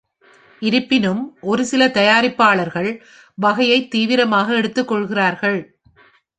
இருப்பினும் ஒரு சில தயாரிப்பாளர்கள் வகையை தீவிரமாக எடுத்துக்கொள்கிறார்கள்.